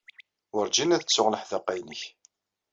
Werjin ad ttuɣ leḥdaqa-nnek.